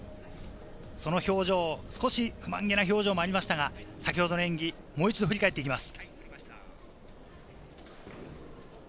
その表情、少し不満げな表情もありましたが、先ほどの演技をもう一度振り返っていきます。